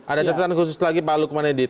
ada catatan khusus lagi pak lukman edi